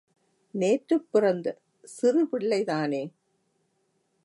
நேற்றுப் பிறந்த சிறுபிள்ளை தானே?